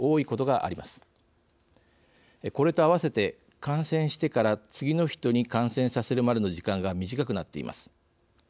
これとあわせて、感染してから次の人に感染させるまでの時間が短くなっています。